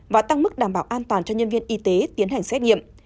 và tăng mức đảm bảo an toàn cho nhân viên y tế tiến hành xét nghiệm